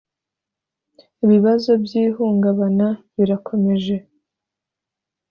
ibibazo by ihungabana birakomeje